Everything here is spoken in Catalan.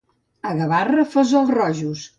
A Gavarra, fesols rojos.